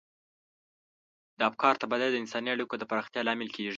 د افکارو تبادله د انساني اړیکو د پراختیا لامل کیږي.